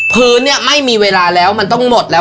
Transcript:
พื้นเนี่ยไม่มีเวลาแล้วมันต้องหมดแล้ว